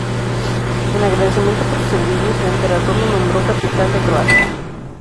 En agradecimiento por sus servicios, el Emperador lo nombró capitán de Croacia.